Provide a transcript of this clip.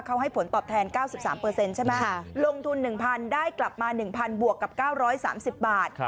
เขาให้ผลตอบแทน๙๓ใช่ไหมลงทุน๑๐๐๐ได้กลับมา๑๐๐บวกกับ๙๓๐บาท